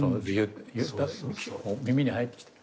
耳に入ってきた。